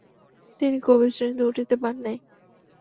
তিনি কবির শ্রেণীতে উঠিতে পান নাই।